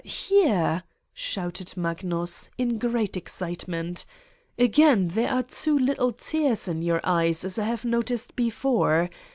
here!" shouted Magnus, in great ex citement, "again there are two little tears in your eyes, as I have noticed before.